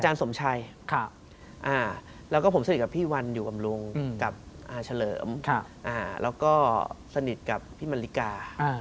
สมชัยแล้วก็ผมสนิทกับพี่วันอยู่กับลุงกับอาเฉลิมแล้วก็สนิทกับพี่มริกา